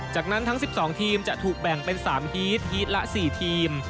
จากนั้นทั้ง๑๒ทีมจะถูกแบ่งเป็น๓ฮีตฮีตละ๔ทีม